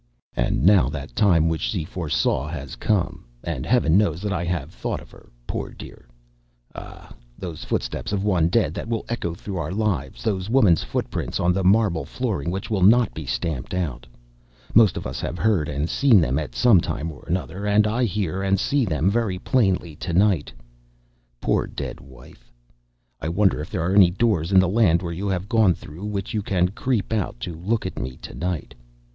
And now that time which she foresaw has come, and Heaven knows that I have thought of her, poor dear. Ah! those footsteps of one dead that will echo through our lives, those woman's footprints on the marble flooring which will not be stamped out. Most of us have heard and seen them at some time or other, and I hear and see them very plainly to night. Poor dead wife, I wonder if there are any doors in the land where you have gone through which you can creep out to look at me to night?